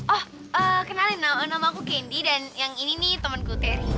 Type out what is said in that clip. oh kenalin nama aku kendi dan yang ini nih temanku terry